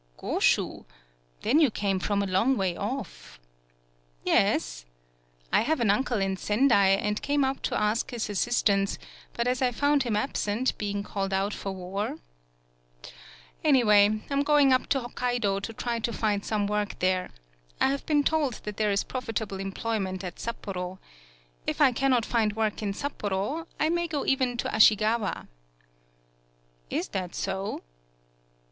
'' Goshu ? Then you came from a long way off!" "Yes. I have an uncle in Sendai, and came up to ask his assistance, but as I found him absent, being called out for war ... Anyway, I am going up to Hokkaido to try to find some work 149 PAULOWNIA there. I have been told that there is profitable employment at Sapporo. If I cannot find work in Sapporo, I may go even to Asahigawa." "Is that so?